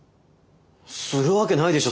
するわけないでしょ